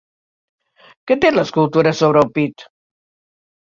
Què té l'escultura sobre el pit?